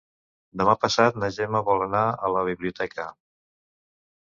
Demà passat na Gemma vol anar a la biblioteca.